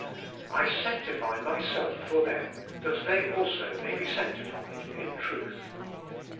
'I sanctify myself for them, that they also may be sanctified in truth.'